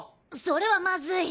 それはまずい。